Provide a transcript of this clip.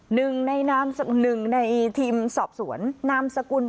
หนึ่งในนามหนึ่งในทีมสอบสวนนามสกุล